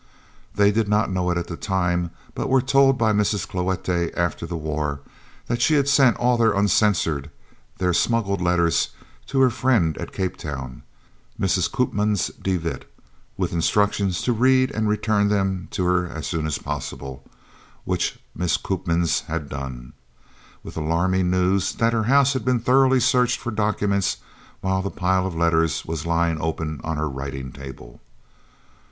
They did not know it at the time, but were told by Mrs. Cloete, after the war, that she had sent all their uncensored, their "smuggled" letters, to her friend at Capetown, Mrs. Koopmans de Wet, with instructions to read and return them to her as soon as possible, which Mrs. Koopmans had done, with the alarming news that her house had been thoroughly searched for documents while the pile of letters was lying open on her writing table.